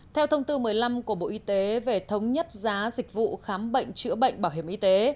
theo thông tư một mươi năm của bộ y tế về thống nhất giá dịch vụ khám bệnh chữa bệnh bảo hiểm y tế